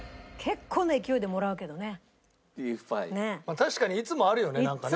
確かにいつもあるよねなんかね。